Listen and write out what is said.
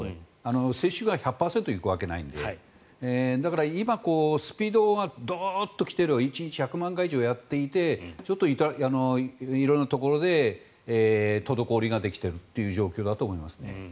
接種が１００％行くわけないのでだから今、スピードがドッと来ている１日１００万回以上やっていてちょっと色んなところで滞りができている状況だと思いますね。